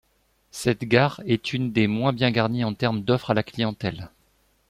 Cette gare est une des moins bien garnies en termes d'offres à la clientèle.